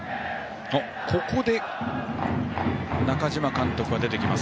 ここで中嶋監督が出ます。